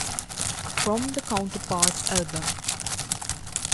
From the "Counterparts" album.